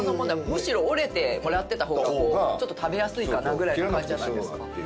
むしろ折れてもらってた方がちょっと食べやすいかなぐらいの感じじゃないですか。